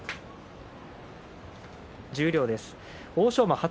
十両です。